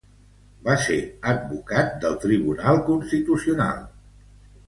Va ser advocat del Tribunal Constitucional.